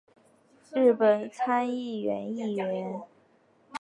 日本参议院议员。